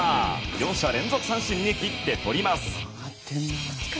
４者連続三振に切ってとります。